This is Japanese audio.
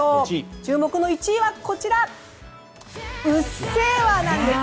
注目の１位は「うっせぇわ」なんです。